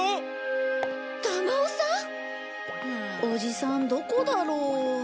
おじさんどこだろう。